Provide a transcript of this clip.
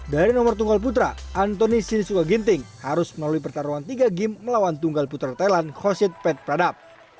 dari nomor tunggal putra antoni sinisuka ginting harus melalui pertarungan tiga game melawan tunggal putra thailand hosit pet pradap